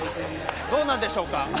どうなんでしょうか？